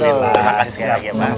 terima kasih sekali lagi pak kiai